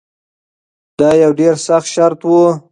دا یو ډیر سخت شرط و.